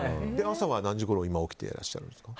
朝は今、何時ごろ起きていらっしゃるんですか。